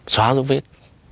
xóa dấu viết